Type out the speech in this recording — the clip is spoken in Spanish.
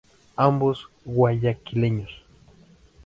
Ambos guayaquileños.